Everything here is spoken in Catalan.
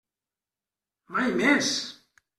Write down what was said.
Mai més!